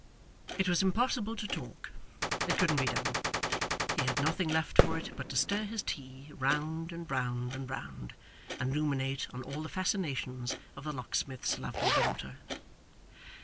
It was impossible to talk. It couldn't be done. He had nothing left for it but to stir his tea round, and round, and round, and ruminate on all the fascinations of the locksmith's lovely daughter.